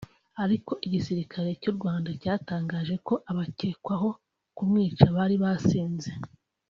Ariko Igisirikare cy’u Rwanda cyatangaje ko abakekwaho kumwica bari basinze